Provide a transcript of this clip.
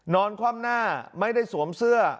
คว่ำหน้าไม่ได้สวมเสื้อ